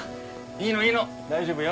いいのいいの大丈夫よ。